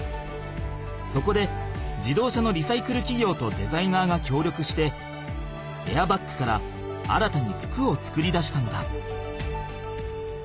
そこで自動車のリサイクルきぎょうとデザイナーがきょうりょくしてエアバッグから新たに服を作り出したのだ。